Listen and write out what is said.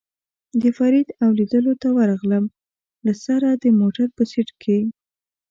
د فرید او لېدلو ته ورغلم، له سره د موټر په سېټ کې.